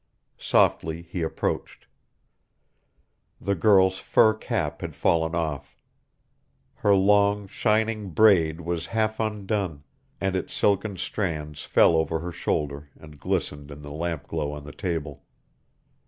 Softly he approached. The girl's fur cap had fallen off. Her long, shining braid was half undone and its silken strands fell over her shoulder and glistened in the lamp glow on the table.